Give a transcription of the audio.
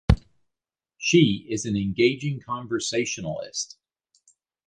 She is an engaging conversationalist.